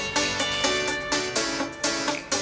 sampai jumpa lagi